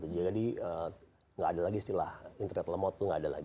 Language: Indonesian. jadi tidak ada lagi istilah internet lemot itu tidak ada lagi